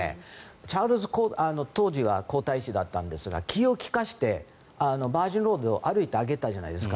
チャールズ当時は皇太子だったんですが気を利かせてバージンロードを歩いてあげたじゃないですか。